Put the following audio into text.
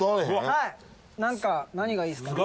はい何か何がいいですかね？